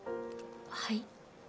はい？